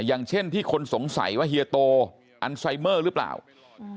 อย่างเช่นที่คนสงสัยว่าเฮียโตอันไซเมอร์หรือเปล่าอืม